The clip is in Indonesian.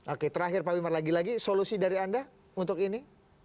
oke terakhir pak wimar lagi lagi solusi dari anda untuk ini